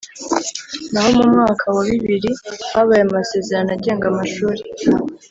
Naho mu mwaka wa bibiri, habaye amasezerano agenga amashuri